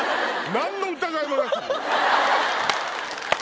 何の疑いもなく。